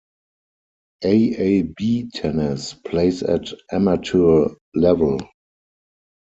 AaB Tennis plays at amateur level.